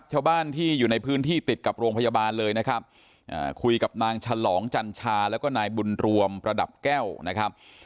ชาวบ้านที่อยู่ในพื้นที่ติดกับโรงพยาบาลเลยนะครับคุยกับนางฉลองจัญชาแล้วก็นายบุญรวมประดับแก้วนะครับ